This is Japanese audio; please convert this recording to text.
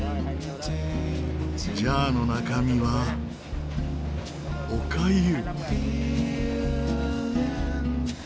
ジャーの中身はおかゆ。